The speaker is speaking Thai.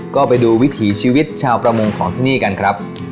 ก็ไปดูวิถีชีวิตชาวประมงของที่นี่กันครับ